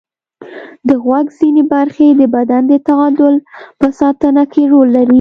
د غوږ ځینې برخې د بدن د تعادل په ساتنه کې رول لري.